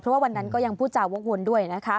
เพราะว่าวันนั้นก็ยังพูดจาวกวนด้วยนะคะ